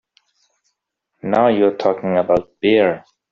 Now you are talking about beer!